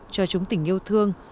cho chúng tình yêu thương